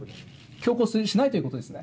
強行しないということですね？